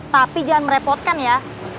tapi jangan merepotkan ya